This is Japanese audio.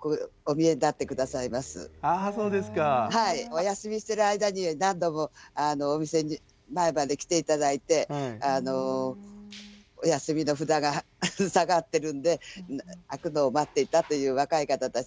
お休みしてる間に何度もお店の前まで来て頂いてお休みの札が下がってるんで開くのを待っていたという若い方たちもいらっしゃいます。